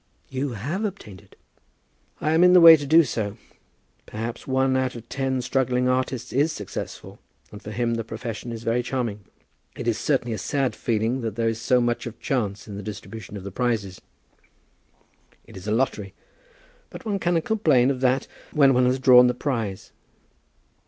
"You have obtained it." "I am in the way to do so. Perhaps one out of ten struggling artists is successful, and for him the profession is very charming. It is certainly a sad feeling that there is so much of chance in the distribution of the prizes. It is a lottery. But one cannot complain of that when one has drawn the prize."